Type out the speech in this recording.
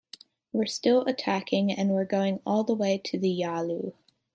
We're still attacking and we're going all the way to the Yalu.